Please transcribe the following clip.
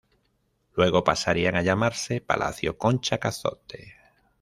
Luego pasaría a llamarse Palacio Concha-Cazotte.